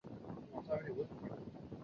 憧憬的演员为山田孝之。